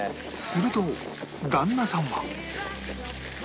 すると旦那さんは